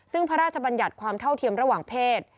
ซึ่งพระราชบัญญัติความเท่าเทียมระหว่างเพศ